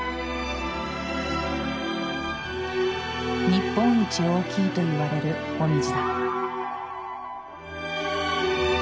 日本一大きいといわれるモミジだ。